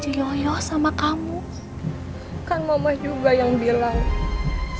oleh itu kamu mau bersama bukuan a whistles